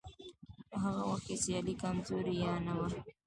په هغه وخت کې سیالي کمزورې یا نه وه.